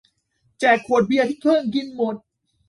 แจกขวดเบียร์ที่เพิ่งกินหมด